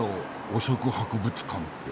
汚職博物館って。